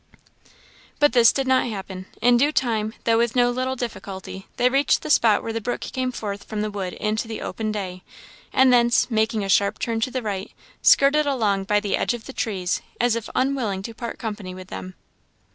But this did not happen. In due time, though with no little difficulty, they reached the spot where the brook came forth from the wood into the open day; and thence, making a sharp turn to the right, skirted along by the edge of the trees, as if unwilling to part company with them.